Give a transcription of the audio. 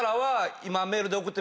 今。